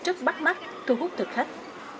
rất bắt mắt thu hút thực khách